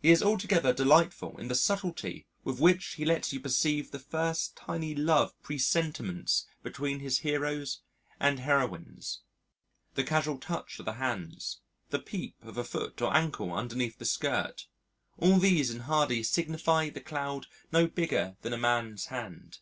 He is altogether delightful in the subtlety with which he lets you perceive the first tiny love presentiments between his heroes and heroines the casual touch of the hands, the peep of a foot or ankle underneath the skirt all these in Hardy signify the cloud no bigger than a man's hand.